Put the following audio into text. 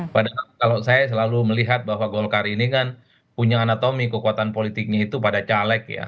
padahal kalau saya selalu melihat bahwa golkar ini kan punya anatomi kekuatan politiknya itu pada caleg ya